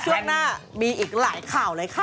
ช่วงหน้ามีอีกหลายข่าวเลยค่ะ